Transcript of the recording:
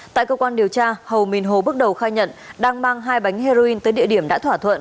tại cơ quan điều tra hầu mình hồ bước đầu khai nhận đang mang hai bánh heroin tới địa điểm đã thỏa thuận